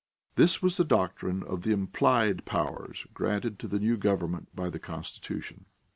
This was the doctrine of the implied powers granted to the new government by the Constitution.